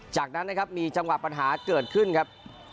จากนั้นนะครับมีจังหวะปัญหาเกิดขึ้นครับ